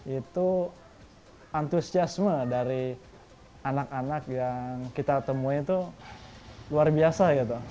itu antusiasme dari anak anak yang kita temui itu luar biasa gitu